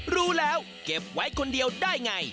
รู้แล้วเก็บไว้คนเดียวได้ไง